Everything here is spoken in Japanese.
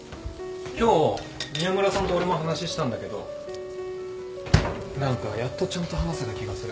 今日宮村さんと俺も話したんだけど何かやっとちゃんと話せた気がする。